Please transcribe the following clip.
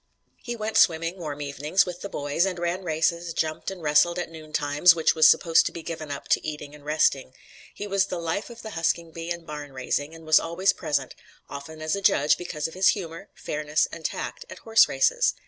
He went swimming, warm evenings, with the boys, and ran races, jumped and wrestled at noon times, which was supposed to be given up to eating and resting. He was "the life" of the husking bee and barn raising, and was always present, often as a judge because of his humor, fairness and tact, at horse races.